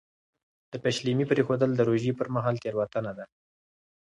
د پېشلمي پرېښودل د روژې پر مهال تېروتنه ده.